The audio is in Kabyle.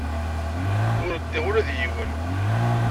Ur ddiɣ ula d yiwen.